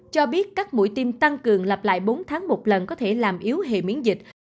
cho biết các mũi tiêm tăng cường lập lại bốn tháng một lần có thể làm yếu hệ miễn dịch